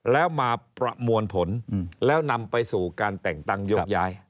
แล้วมาประมวลผลแล้วนำไปสู่การแต่งตั้งยกย้าย